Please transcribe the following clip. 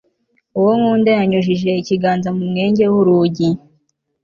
uwo nkunda yanyujije ikiganza mu mwenge w'urugi